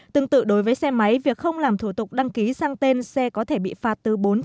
tương tự đối với xe máy việc không làm thủ tục đăng ký sang tên xe có thể bị phạt từ bốn trăm linh sáu trăm linh